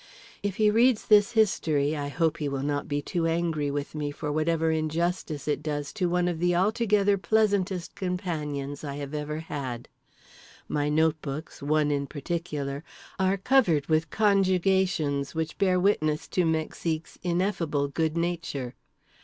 If he reads this history I hope he will not be too angry with me for whatever injustice it does to one of the altogether pleasantest companions I have ever had. My notebooks, one in particular, are covered with conjugations which bear witness to Mexique's ineffable good nature.